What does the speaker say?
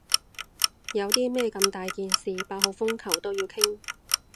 有啲咩咁大件事八號風球都要傾？